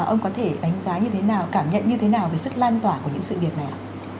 ông có thể đánh giá như thế nào cảm nhận như thế nào về sức lan tỏa của những sự việc này ạ